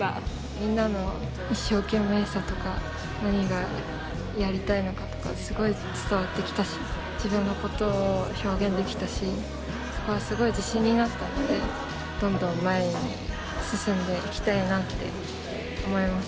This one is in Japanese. みんなの一生懸命さとか何がやりたいのかとかすごい伝わってきたし自分のことを表現できたしそこはすごい自信になったのでどんどん前に進んでいきたいなって思います。